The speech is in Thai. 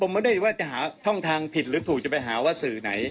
ผมไม่ได้ว่าจะหาช่องทางผิดหรือถูกจะไปหาว่าสื่อไหน